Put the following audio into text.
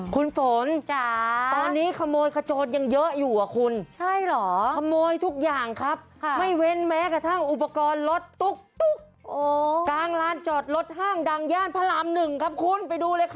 คุณฝนตอนนี้ขโมยขโจทย์ยังเยอะอยู่ครับคุณขโมยทุกอย่างครับไม่เว้นแม้กระทั่งอุปกรณ์รถตุ๊กตุ๊ก